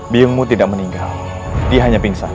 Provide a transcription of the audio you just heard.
bimu tidak meninggal dia hanya pingsan